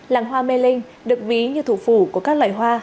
làng hoa mê linh được ví như thủ phủ của các loài hoa